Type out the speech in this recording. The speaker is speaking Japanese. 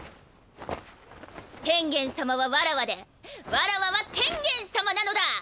天元様はわらわでわらわは天元様なのだ！